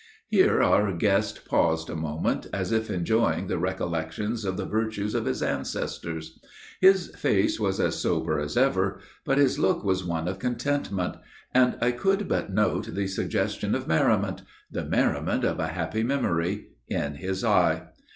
Here our guest paused a moment, as if enjoying the recollections of the virtues of his ancestors. His face was as sober as ever, but his look was one of contentment; and I could but note the suggestion of merriment the merriment of a happy memory in his eye.